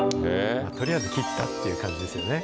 とりあえず切ったという感じですね。